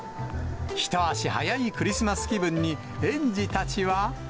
一足早いクリスマス気分に園児たちは。